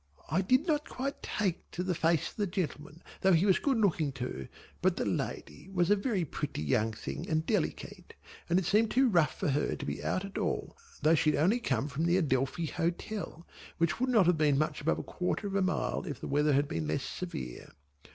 I did not quite take to the face of the gentleman though he was good looking too but the lady was a very pretty young thing and delicate, and it seemed too rough for her to be out at all though she had only come from the Adelphi Hotel which would not have been much above a quarter of a mile if the weather had been less severe.